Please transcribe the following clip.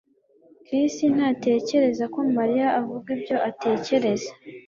Chris ntatekereza ko Mariya avuga ibyo atekereza